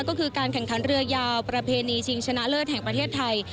ก็คือการแข่งขันเรือยาวประเพณีชิงชนะเลิศแห่งประเทศไทย